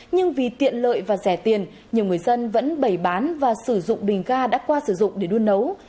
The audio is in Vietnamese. nhưng vì tiện lợi và rẻ tiền nhiều người dân vẫn bày bán và sử dụng bình ga đã qua sử dụng để đun nấu